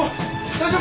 大丈夫？